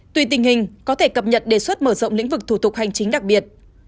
tùy tình hình có thể cập nhật đề xuất mở rộng lĩnh vực thủ tục hành chính đặc biệt